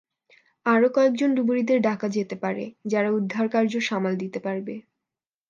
আরো কয়েকজন ডুবুরিদের ডাকা যেতে পারে যারা উদ্ধারকার্য সামাল দিতে পারবে।